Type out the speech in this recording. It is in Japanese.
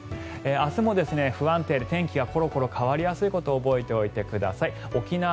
明日も不安定で天気がコロコロ変わりやすいことを覚えておいてください。